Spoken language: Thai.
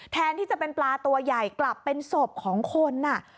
แทนที่จะเป็นปลาตัวใหญ่กลับเป็นศพของคน